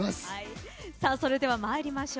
それでは参りましょう。